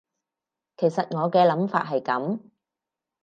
其實我嘅諗法係噉